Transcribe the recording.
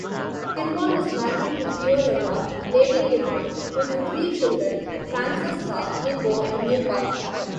Kirwan is married to Fiorella, Lady Kirwan, with three children Francesca, Niko and Luca.